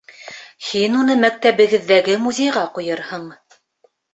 Һин уны мәктәбегеҙҙәге музейға ҡуйырһың.